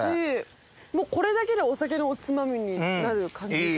これだけでお酒のおつまみになる感じですよね。